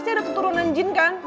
selamat datang cinta